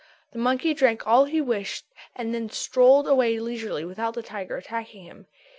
The monkey drank all he wished and then strolled away leisurely without the tiger's attacking him.